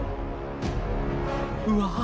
うわ！